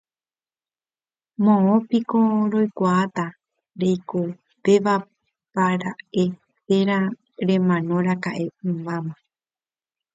moõpiko roikuaáta reikovevápara'e térã remanoraka'e ymáma